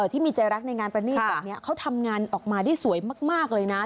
ที่มีใจรักในการประนีดเราก็ทำงานออกมาได้สวยมากเลยนะ